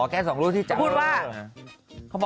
อ่อแก่๒ลูกที่จับ